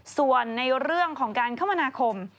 ส่วนในเรื่องของการคมนาคม